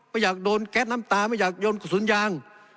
ไม่อยากโดนแก๊สน้ำตาไม่อยากโยนกระสุนยาง